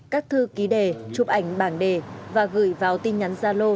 các thư ký đề chụp ảnh bảng đề và gửi vào tin nhắn gia lô